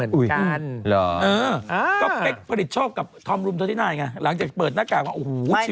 คือจับคู่กันกับไป